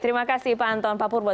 terima kasih pak anton pak purwo